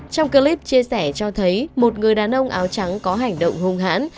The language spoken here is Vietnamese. trong clip chia sẻ cho thấy một người đàn ông áo trắng có hành động hung hãn